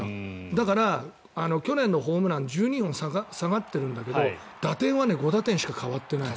だから去年のホームラン１２本下がってるんだけど打点は５打点しか変わってない。